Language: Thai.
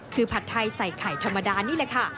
คือผัดไทยใส่ไข่ธรรมดานี่แหละค่ะ